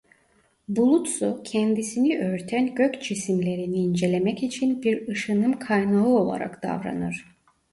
Bulutsu kendisini örten gök cisimlerini incelemek için bir ışınım kaynağı olarak davranır.